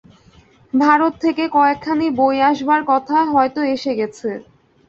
ভারত থেকে কয়েকখানি বই আসবার কথা, হয়তো এসে গেছে।